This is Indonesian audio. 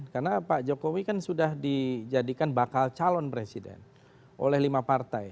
karena pak jokowi kan sudah dijadikan bakal calon presiden oleh lima partai